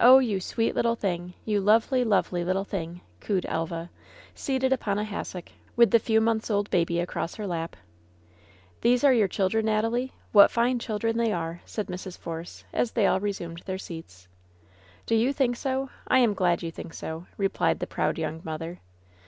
"Oh, you sweet little thing! You lovely, lovely little thing !'' cooed Elva, seated upon a hassock, with the few months old baby across her lap. "These are your children, Natalie ? What fine chil 160 LOVE'S BITTEREST CUP dren they are," said Mrs. Force, as they all resumed their seats. ^TOo you think so ? I am glad you think so," replied the proud yoimg mother.